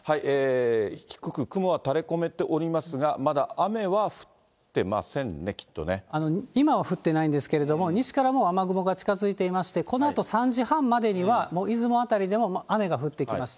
低く雲はたれこめておりますが、まだ雨は降ってませんね、きっと今は降ってないんですけれども、西からもう雨雲が近づいていまして、このあと３時半までには、もう出雲辺りでも雨が降ってきまして。